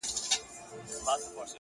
• که نه نو ولي بيا جواب راکوي؛